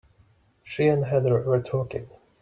She and Heather were talking.